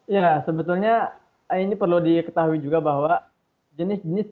ya sebetulnya ini perlu diketahui juga bahwa jenis jenis